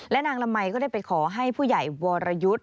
และนางละมัยก็ได้ไปขอให้ผู้ใหญ่วรยุทธ์